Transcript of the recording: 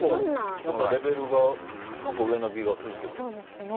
レベルが上な気がするけどね。